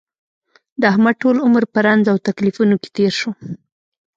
د احمد ټول عمر په رنځ او تکلیفونو کې تېر شو.